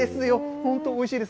本当おいしいです。